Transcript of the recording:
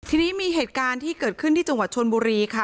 ทีนี้มีเหตุการณ์ที่เกิดขึ้นที่จังหวัดชนบุรีค่ะ